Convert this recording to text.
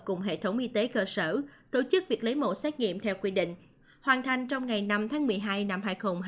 cùng hệ thống y tế cơ sở tổ chức việc lấy mẫu xét nghiệm theo quy định hoàn thành trong ngày năm tháng một mươi hai năm hai nghìn hai mươi